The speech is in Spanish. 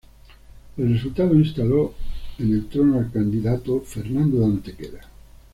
El resultado instaló en el trono al candidato Fernando de Antequera.